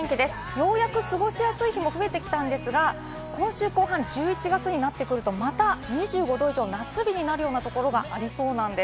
ようやく過ごしやすい日も増えてきたんですが、今週後半、１１月になってくると、また２５度以上の夏日になるようなところがありそうなんです。